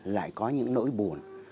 lại có những nỗi buồn